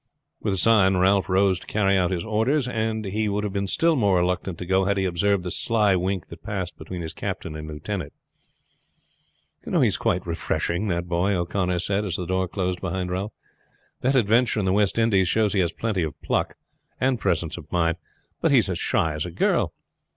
With a sign Ralph rose to carry out his orders, and he would have been still more reluctant to go had he observed the sly wink that passed between his captain and lieutenant. "He is quite refreshing, that boy," O'Connor said as the door closed behind Ralph. "That adventure in the West Indies showed he has plenty of pluck and presence of mind; but he is as shy as a girl.